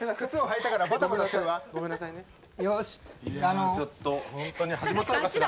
いやちょっと本当に始まったのかしら？